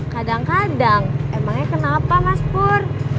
kadang kadang emangnya kenapa mas pur